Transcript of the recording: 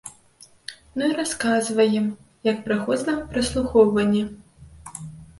Ну і расказваем, як праходзіла праслухоўванне.